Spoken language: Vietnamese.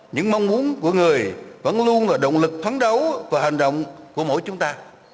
những mong muốn của người vẫn luôn là động lực phán đấu và hành động của mỗi chúng ta